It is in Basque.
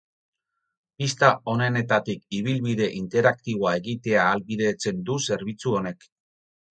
Pista onenetatik ibilbide interaktiboa egitea ahalbidetzen du zerbitzu honek.